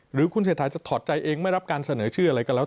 หรือคุณเศรษฐาจะถอดใจเองไม่รับการเสนอชื่ออะไรก็แล้ว